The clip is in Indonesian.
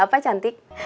lagi apa cantik